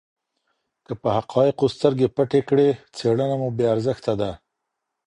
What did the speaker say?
که په حقایقو سترګې پټې کړئ څېړنه مو بې ارزښته ده.